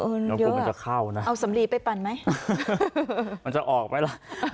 งูมันจะเข้านะเอาสำลีไปปั่นไหมมันจะออกไหมล่ะ